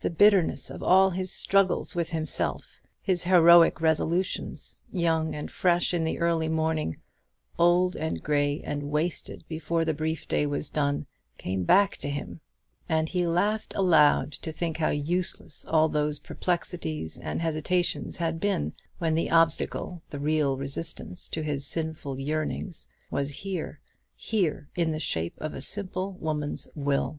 The bitterness of all his struggles with himself; his heroic resolutions young and fresh in the early morning, old and grey and wasted before the brief day was done came back to him; and he laughed aloud to think how useless all those perplexities and hesitations had been, when the obstacle, the real resistance, to his sinful yearnings was here here, in the shape of a simple woman's will.